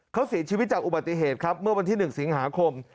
เขาเสียชีวิตจากอุบัติเหตุครับเมื่อวันที่๑สิงหาคม